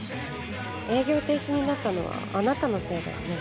営業停止になったのはあなたのせいだよね。